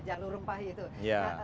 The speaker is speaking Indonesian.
jalur rumpah itu